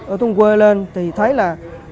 ở trong quê lên thì thấy là